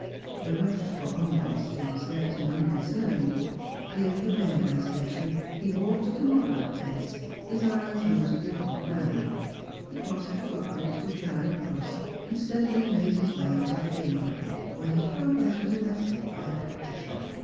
The rush for omnibus seats left him unconcerned; clear of the railway station, he walked at a moderate pace, his eyes mostly on the ground; he crossed the foot bridge to Charing Cross, and steadily made his way into the Haymarket, where his progress was arrested by a picture shop.